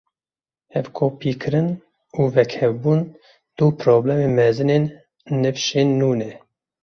Hevkopîkirin û wekhevbûn du problemên mezin ên nivşên nû ne.